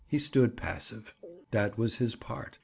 He stood passive. That was his part.